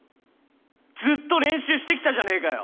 ずっと練習してきたじゃねえかよ。